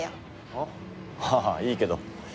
ああいいけど。